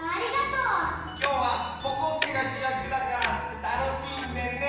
きょうはぼこすけがしゅやくだからたのしんでね。